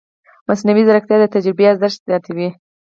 مصنوعي ځیرکتیا د تجربې ارزښت زیاتوي.